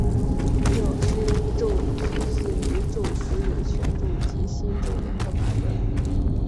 药师咒出自于咒文有全咒及心咒两个版本。